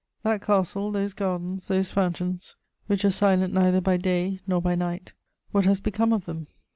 That castle, those gardens, those fountains "which were silent neither by day nor by night:" what has become of them?